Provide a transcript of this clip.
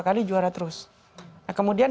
kali juara terus kemudian